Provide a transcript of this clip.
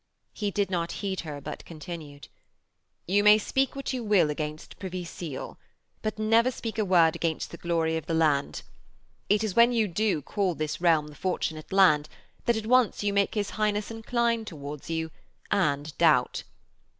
He did not heed her, but continued: 'You may speak what you will against Privy Seal but speak never a word against the glory of the land. It is when you do call this realm the Fortunate Land that at once you make his Highness incline towards you and doubt.